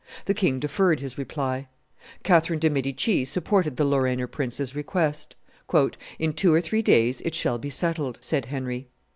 The king deferred his reply. Catherine de' Medici supported the Lorrainer prince's request. "In two or three days it shall be settled," said Henry.